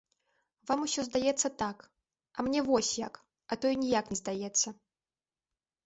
Вам усё здаецца так, а мне вось як, а то і ніяк не здаецца.